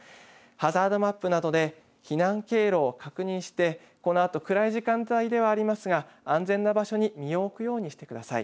ハザードマップなどで避難経路を確認してこのあと暗い時間帯ではありますが安全な場所に身を置くようにしてください。